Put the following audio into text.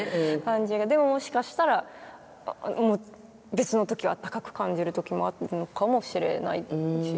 でももしかしたら別の時はあったかく感じる時もあるのかもしれないし。